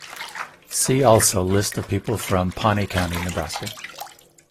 "See also List of people from Pawnee County, Nebraska"